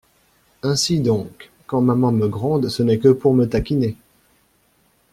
Ainsi donc, quand maman me gronde Ce n’est que pour me taquiner !